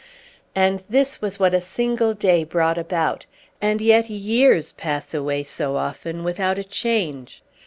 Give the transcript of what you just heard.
And this was what a single day brought about; and yet years pass away so often without a change.